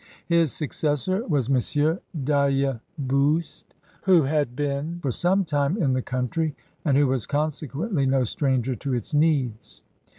His successw was M. D'Ailleboust, who had been for some time in the coimtry, and who was consequently no stranger to its needs.